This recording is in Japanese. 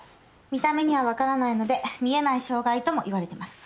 見た目には分からないので見えない障害ともいわれてます。